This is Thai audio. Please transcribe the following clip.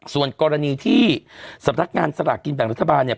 ส่วนกรณีที่สำนักงานสลากกินแบ่งรัฐบาลเนี่ย